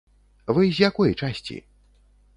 Вы з якой часці?